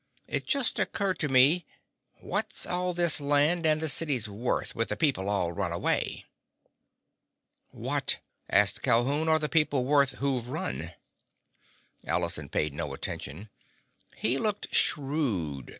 It just occurred to me: what's all this land and the cities worth, with the people all run away?" "What," asked Calhoun, "are the people worth who've run?" Allison paid no attention. He looked shrewd.